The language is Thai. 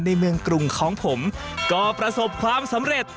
ในเมืองกรุงของผมก็ประสบความสำเร็จ